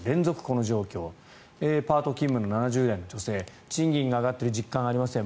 パート勤務の７０代の女性賃金が上がっている実感がありません。